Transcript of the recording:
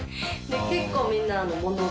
結構みんな物置。